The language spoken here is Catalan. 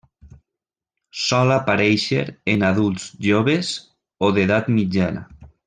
Sol aparèixer en adults joves o d'edat mitjana.